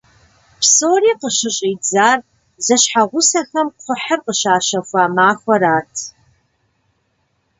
Псори къыщыщӏидзар зэщхьэгъусэхэм кхъухьыр къыщащэхуа махуэрат.